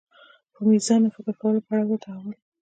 په مېړانه فکر کولو پړاو ته تحول